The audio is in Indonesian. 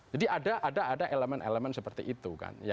jadi ada elemen elemen seperti itu kan